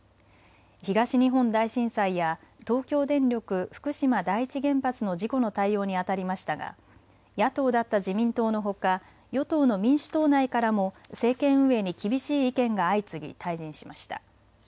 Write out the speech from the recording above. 東日本大震災や東京電力福島第一原発の事故の対応にあたりましたが野党だった自民党のほか与党の民主党内からも政権運営に厳しい意見が相次ぎ退陣しました。